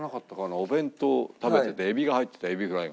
お弁当を食べててエビが入っててエビフライが。